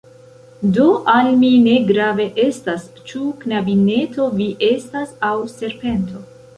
Do al mi ne grave estas ĉu knabineto vi estas aŭ serpento!